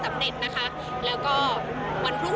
ตอนนี้เป็นครั้งหนึ่งครั้งหนึ่ง